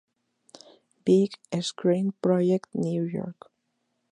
Big Screen Project, New York.